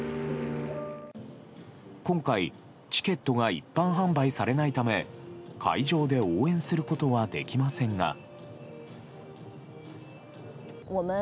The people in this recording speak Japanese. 今回、チケットが一般販売されないため会場で応援することはできませんが。